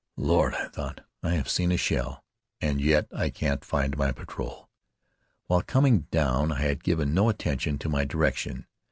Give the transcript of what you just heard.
"Lord!" I thought, "I have seen a shell, and yet I can't find my patrol!" While coming down I had given no attention to my direction.